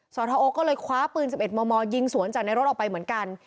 สทโอก็เลยคว้าปืน๑๑มมยิงสวนจากในรถออกไปเหมือนกัน